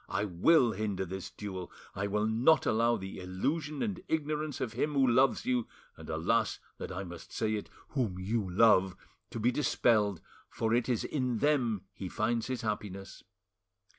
I will hinder this duel; I will not allow the illusion and ignorance of him who loves you and, alas that I must say it, whom you love, to be dispelled, for it is in them he finds his happiness.